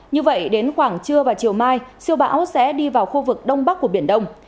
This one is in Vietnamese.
như vậy đến khoảng trưa và chiều mai siêu bão sẽ đi vào khu vực đông bắc của biển đông